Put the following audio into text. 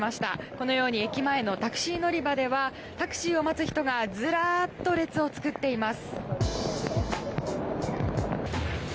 このように駅前のタクシー乗り場ではタクシーを待つ人がずらっと列を作っています。